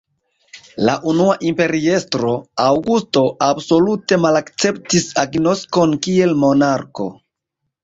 La unua imperiestro, Aŭgusto, absolute malakceptis agnoskon kiel monarko.